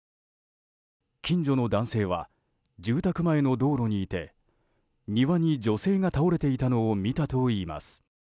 近所の男性は住宅前の道路にいて庭に女性が倒れていたのを見たといいます。